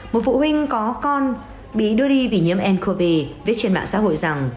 một phụ huynh có con bị đưa đi vì nhiễm ncov viết trên mạng xã hội rằng